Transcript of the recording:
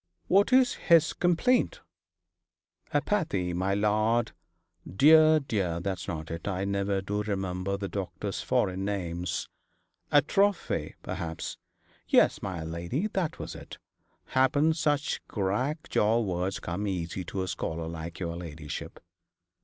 'What is his complaint?' 'Apathy, my lady. Dear, dear, that's not it. I never do remember the doctor's foreign names.' 'Atrophy,' perhaps. 'Yes, my lady, that was it. Happen such crack jaw words come easy to a scholar like your ladyship.'